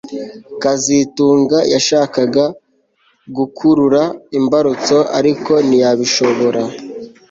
kazitunga yashakaga gukurura imbarutso ariko ntiyabishobora